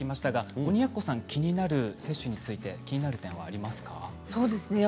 鬼奴さん、接種について気になる点がありますか。